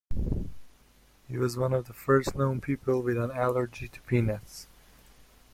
He was one of the first known people with an allergy to peanuts.